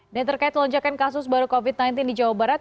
dan terkait lonjakan kasus baru covid sembilan belas di jawa barat